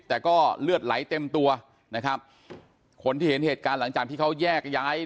แต่ก็เลือดไหลเต็มตัวนะครับคนที่เห็นเหตุการณ์หลังจากที่เขาแยกย้าย